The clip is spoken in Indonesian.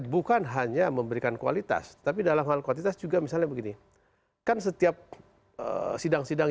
bukan hanya memberikan kualitas tapi dalam hal kualitas juga misalnya begini kan setiap sidang sidang